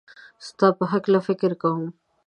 ستا په هکله فکر کوم